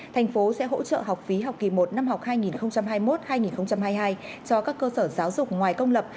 thành phố sẽ hỗ trợ học phí học kỳ một năm học hai nghìn hai mươi một hai nghìn hai mươi hai cho các cơ sở giáo dục ngoài công lập